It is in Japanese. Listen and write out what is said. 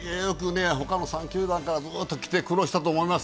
他の３球団から来て苦労したと思います。